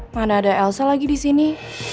mana ada elsa lagi di sini